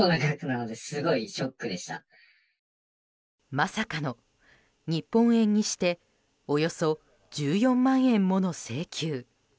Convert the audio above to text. まさかの日本円にしておよそ１４万円もの請求。